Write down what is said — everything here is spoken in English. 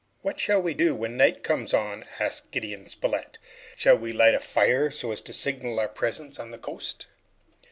"What shall we do when night comes on?" asked Gideon Spilett. "Shall we light a fire, so as to signal our presence on the coast?"